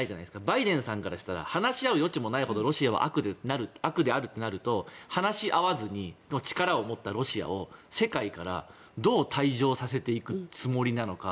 バイデンさんからしたら話し合う余地もないほどロシアは悪であるということになると話し合わずにでも、力を持ったロシアを世界から、どう退場させていくつもりなのか。